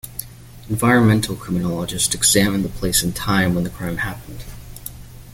Environmental criminologists examine the place and the time when the crime happened.